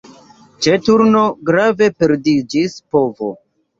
Ĉe turno grave perdiĝis povo.